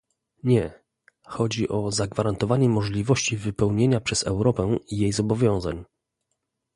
Nie - chodzi o zagwarantowanie możliwości wypełnienia przez Europę jej zobowiązań